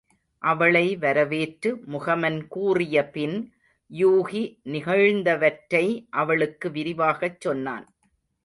அவளை வரவேற்று முகமன் கூறியபின் யூகி நிகழ்ந்தவற்றை அவளுக்கு விரிவாகச் சொன்னான்.